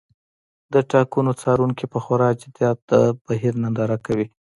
د ټاکنو څارونکي په خورا جدیت د بهیر ننداره کوي.